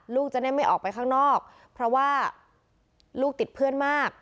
ลูกจะได้ไม่ออกไปข้างนอกเพราะว่าลูกติดเพื่อนมาก